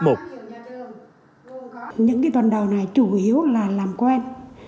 những tuần đầu này chủ yếu là làm quen